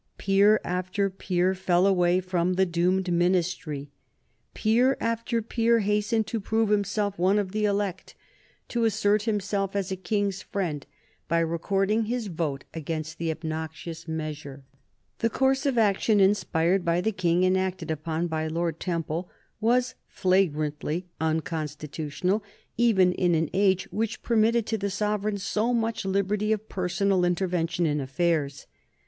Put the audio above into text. Peer after peer fell away from the doomed Ministry; peer after peer hastened to prove himself one of the elect, to assert himself as a King's friend by recording his vote against the obnoxious measure. [Sidenote: 1783 Fall of the Coalition Ministry] The course of action inspired by the King and acted upon by Lord Temple was flagrantly unconstitutional even in an age which permitted to the sovereign so much liberty of personal intervention in affairs.